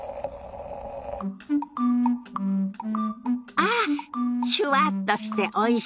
ああっシュワッとしておいし。